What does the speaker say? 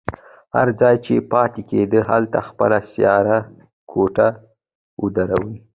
هر ځای چې پاتې کېږي هلته خپله سیاره کوټه ودروي.